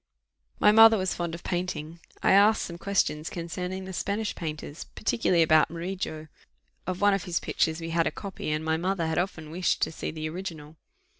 My mother was fond of painting: I asked some questions concerning the Spanish painters, particularly about Murillo; of one of his pictures we had a copy, and my mother had often wished to see the original.